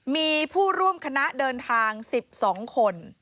มีผู้ร่วมคณะเดินทาง๑๒คน